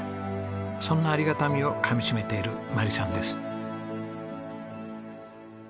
そんなありがたみをかみしめている眞理さんです。